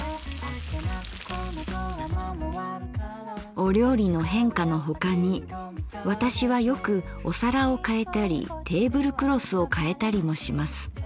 「お料理の変化のほかに私はよくお皿を変えたりテーブルクロスを変えたりもします。